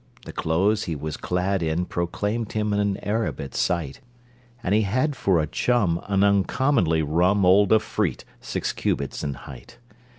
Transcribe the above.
The clothes he was clad in Proclaimed him an Arab at sight, And he had for a chum An uncommonly rum Old afreet, six cubits in height.